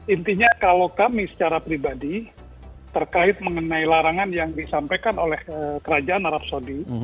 intinya kalau kami secara pribadi terkait mengenai larangan yang disampaikan oleh kerajaan arab saudi